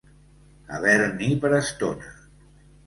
Haver-n'hi per estona.